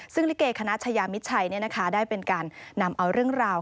ซึ่งลิเกคณะชายามิดชัยได้เป็นการนำเอาเรื่องราว